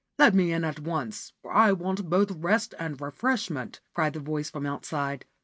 Let me in at once, for I want both rest and refreshment/ cried the voice from outside.